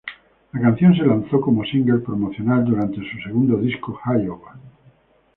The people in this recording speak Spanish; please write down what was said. La canción se lanzó como single promocional, durante su segundo disco Iowa.